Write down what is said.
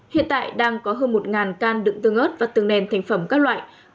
hiện tại đang có hơn một can đựng tương ớt và từng nền thành phẩm các loại